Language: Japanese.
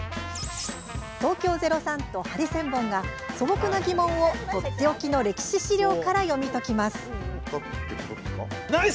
東京０３とハリセンボンが素朴な疑問を、とっておきの歴史資料から読み解きます。